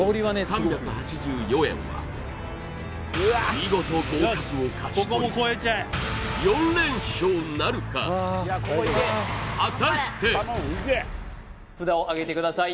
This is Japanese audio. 見事合格を勝ち取り４連勝なるか大丈夫札をあげてください